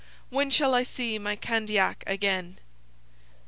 When shall I see my Candiac again?'